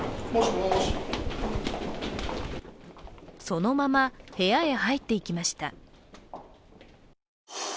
そのまま部屋へ入っていきました。